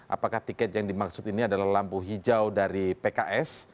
apakah tiket yang dimaksud ini adalah lampu hijau dari pks